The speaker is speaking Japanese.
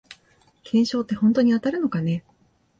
懸賞ってほんとに当たるのかね